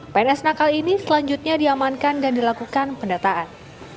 pns nakal ini selanjutnya diamankan dan dilakukan pendataan